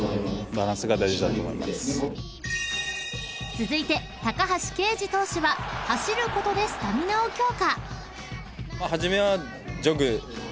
［続いて高橋奎二投手は走ることでスタミナを強化］